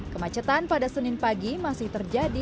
kemacetan pada senin pagi masih terjadi